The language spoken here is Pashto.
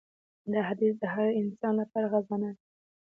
دا حدیث د هر انسان لپاره خزانه ده.